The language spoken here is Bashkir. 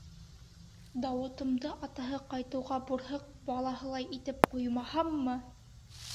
Дауытымды атаһы ҡайтыуға бурһыҡ балаһылай итеп ҡуймаһаммы!